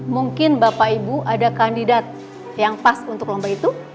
mungkin bapak ibu ada kandidat yang pas untuk lomba itu